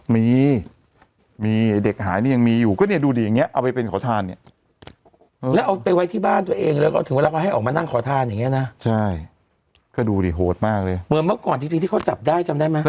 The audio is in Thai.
มีมีไอ้เด็กหายนี่ยังมีอยู่ก็เนี่ยดูดิอย่างนี้เอาไปเป็นขอทานเนี่ย